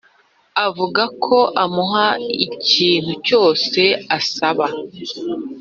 avuga ko amuha ikintu cyose asaba